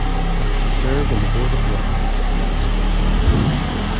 She serves on the board of directors of Mass General Brigham.